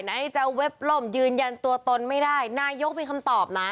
ไหนจะเว็บล่มยืนยันตัวตนไม่ได้นายกมีคำตอบนะ